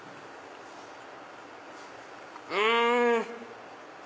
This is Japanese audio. うん！